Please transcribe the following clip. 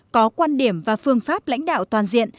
có quan điểm và phương pháp lãnh đạo toàn diện